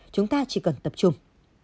chúng ta chỉ cần tập trung